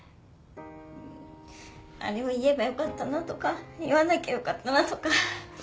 あれを言えばよかったなとか言わなきゃよかったなとか。